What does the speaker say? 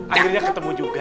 akhirnya ketemu juga